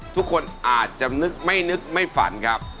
ทุกคนอาจจะนึกไม่นึกไม่ฝันครับ